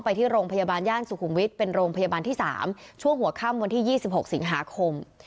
ไปที่โรงพยาบาลย่านสุขุมวิทย์เป็นโรงพยาบาลที่๓ช่วงหัวค่ำวันที่๒๖สิงหาคม